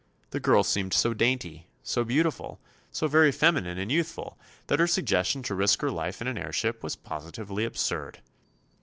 The girl seemed so dainty, so beautiful, so very feminine and youthful, that her suggestion to risk her life in an airship was positively absurd.